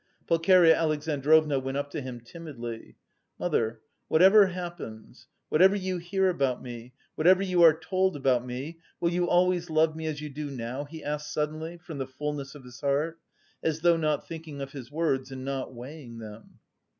Pulcheria Alexandrovna went up to him timidly. "Mother, whatever happens, whatever you hear about me, whatever you are told about me, will you always love me as you do now?" he asked suddenly from the fullness of his heart, as though not thinking of his words and not weighing them.